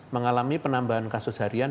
mengalami penambahan kasus harian